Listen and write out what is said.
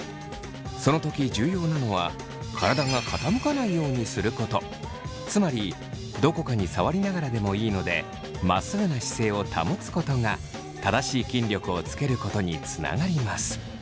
その時重要なのはつまりどこかに触りながらでもいいのでまっすぐな姿勢を保つことが正しい筋力をつけることにつながります。